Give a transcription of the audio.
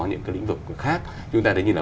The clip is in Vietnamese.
những cái lĩnh vực khác chúng ta thấy như là